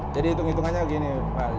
jadi hitung hitungannya begini pak